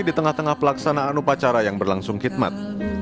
di tengah tengah pelaksanaan upacara yang berlangsung khidmat